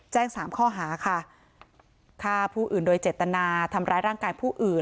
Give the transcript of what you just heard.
สามข้อหาค่ะฆ่าผู้อื่นโดยเจตนาทำร้ายร่างกายผู้อื่น